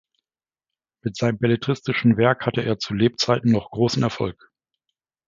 Mit seinem belletristischen Werk hatte er zu Lebzeiten noch großen Erfolg.